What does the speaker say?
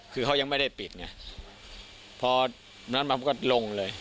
คือเขายังไม่ได้ปิดไงพอนั้นมาผมก็ลงเลย